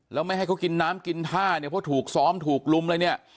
แล้วไม่ให้เขากินน้ำกินท่าเนี่ยเพราะถูกซ้อมถูกลุมอะไรเนี่ย